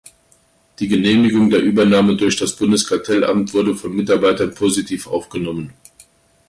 Die Genehmigung der Übernahme durch das Bundeskartellamt wurde von Mitarbeitern positiv aufgenommen.